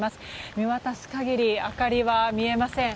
見渡す限り明かりは見えません。